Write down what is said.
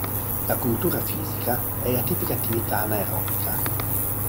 La cultura fisica è la tipica attività anaerobica.